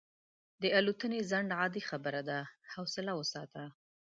د الوتنې ځنډ عادي خبره ده، حوصله وساته.